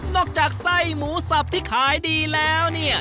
อกจากไส้หมูสับที่ขายดีแล้วเนี่ย